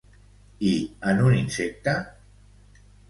I en un insecte?